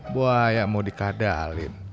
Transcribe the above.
buaya mau dikadalin